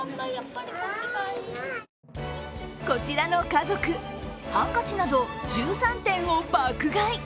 こちらの家族、ハンカチなど１３点を爆買い。